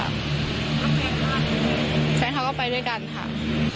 แล้วแฟนเขาก็ไปด้วยกันแฟนเขาก็ไปด้วยกันค่ะ